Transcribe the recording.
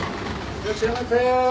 いらっしゃいませ。